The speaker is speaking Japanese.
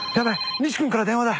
西君から電話だ。